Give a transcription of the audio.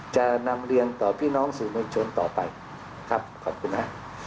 จะนำเรียนต่อพี่น้องสื่อมวลชนต่อไปครับขอบคุณฮะ